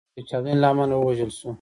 هغه هم د یوې چاودنې له امله ووژل شو.